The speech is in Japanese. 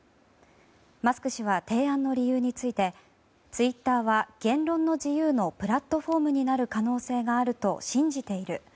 マスク氏は提案の理由についてツイッターは言論の自由のプラットフォームになる可能性があると信じている。